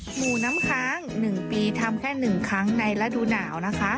หมูน้ำค้าง๑ปีทำแค่๑ครั้งในฤดูหนาวนะคะ